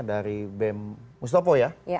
dari bem mustopo ya